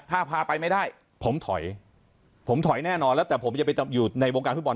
ถ้าพาไปไม่ได้ผมถอยผมถอยแน่นอนแล้วแต่ผมจะไปอยู่ในวงการฟุตบอล